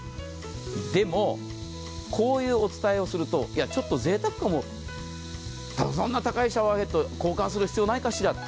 でもこういうお伝えをするとちょっとぜいたくかも、そんな高いシャワーヘッド、交換する必要ないかしらと。